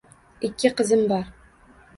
Ikki qizim bor.